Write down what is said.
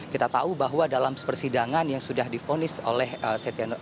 kita tahu bahwa dalam persidangan yang sudah difonis oleh setia novanto